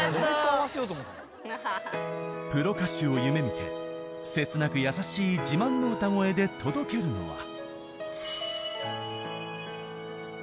プロ歌手を夢見て切なく優しい自慢の歌声で届けるのは。